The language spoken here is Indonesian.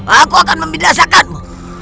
aku akan membinasakanmu